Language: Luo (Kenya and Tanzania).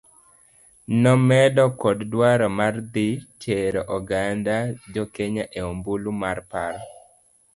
Nomedo kod dwaro mar dhi tero oganda jokenya e ombulu mar paro.